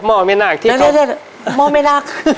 หม้อแม่นากที่เขา